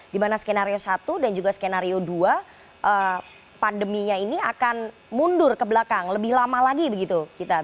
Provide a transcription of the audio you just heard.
dimana skenario satu dan juga skenario dua pandeminya ini akan mundur ke belakang lebih lama lagi begitu